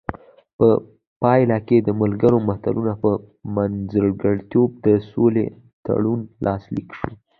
په پایله کې د ملګرو ملتونو په منځګړیتوب د سولې تړون لاسلیک شو.